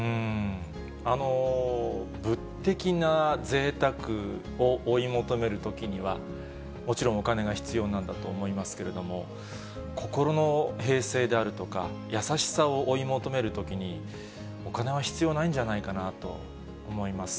物的なぜいたくを追い求めるときには、もちろんお金が必要なんだと思いますけれども、心の平静であるとか、優しさを追い求めるときに、お金は必要ないんじゃないかなと思います。